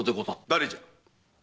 誰じゃ？